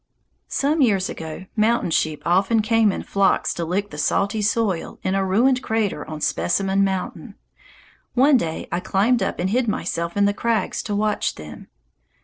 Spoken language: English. Some years ago mountain sheep often came in flocks to lick the salty soil in a ruined crater on Specimen Mountain. One day I climbed up and hid myself in the crags to watch them.